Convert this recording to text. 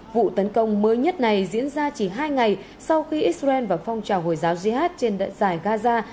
vụ tấn công mới nhất này diễn ra chỉ hai ngày sau khi israel và phong trào hồi giáo jihad trên giải gaza